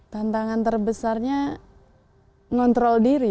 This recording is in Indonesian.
tantangan terbesarnya ngontrol diri